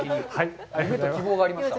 希望がありました。